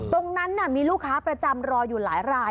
ตรงนั้นมีลูกค้าประจำรออยู่หลายราย